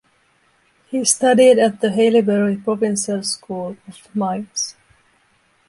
He studied at the Hailybury Provincial School of Mines.